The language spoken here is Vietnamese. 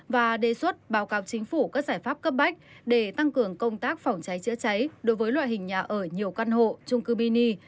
và đề xuất báo cáo chính phủ các giải pháp cấp bách để tăng cường công tác phòng cháy chữa cháy đối với loại hình nhà ở nhiều căn hộ trung cư mini